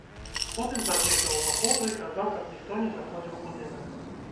Потым пабег да ўваходу і казаў, каб ніхто не заходзіў у будынак.